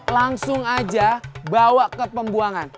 langsung aja bawa ke pembuangan